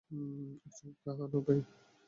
এক চুমুক খা না ভাই!